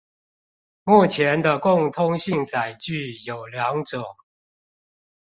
目前的共通性載具有兩種